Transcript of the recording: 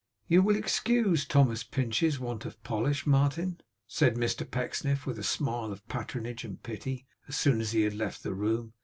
'You will excuse Thomas Pinch's want of polish, Martin,' said Mr Pecksniff, with a smile of patronage and pity, as soon as he had left the room.